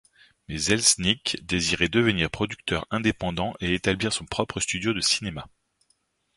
Mais Selznick désirait devenir producteur indépendant et établir son propre studio de cinéma.